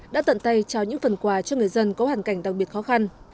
đã tận tay trao những phần quà cho người dân có hoàn cảnh đặc biệt khó khăn